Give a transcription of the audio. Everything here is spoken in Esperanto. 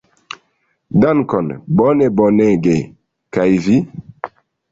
Dankon, bone, bonege, kaj vi?